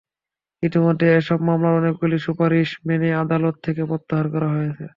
ইতিমধ্যে এসব মামলার অনেকগুলো সুপারিশ মেনে আদালত থেকে প্রত্যাহার করা হয়েছে।